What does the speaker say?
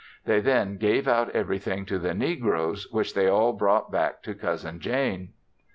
They then gave out everything to the negroes, which they all brought back to Cousin Jane.